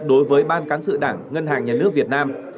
đối với ban cán sự đảng ngân hàng nhà nước việt nam